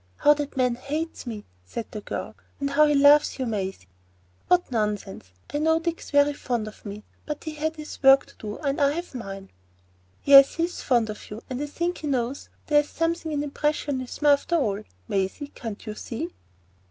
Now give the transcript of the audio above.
"How that man hates me!" said the girl. "And how he loves you, Maisie!" "What nonsense? I knew Dick's very fond of me, but he had his work to do, and I have mine." "Yes, he is fond of you, and I think he knows there is something in impressionism, after all. Maisie, can't you see?" "See?